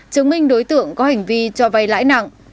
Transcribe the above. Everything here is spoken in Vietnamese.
chứng minh đối tượng có hành vi cho vay lãi nặng